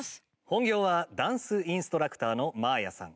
本業はダンスインストラクターのｍａａｙａさん。